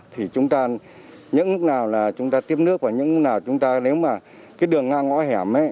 thì chúng ta những lúc nào là chúng ta tiếp nước ở những nào chúng ta nếu mà cái đường ngang ngõ hẻm ấy